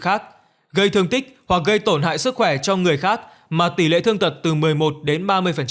khác gây thương tích hoặc gây tổn hại sức khỏe cho người khác mà tỷ lệ thương tật từ một mươi một đến ba mươi